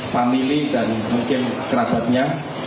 famili dan mungkin kerabatnya